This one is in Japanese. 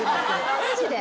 マジで？